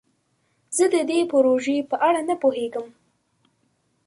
زه د دې پروژې په اړه نه پوهیږم.